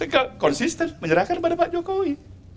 konsisten menyerahkan kepada pak jokowi